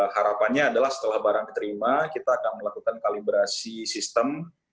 harapannya adalah setelah barang diterima kita akan melakukan kalibrasi sistem